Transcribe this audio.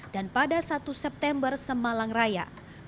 dan pada satu september semalang raya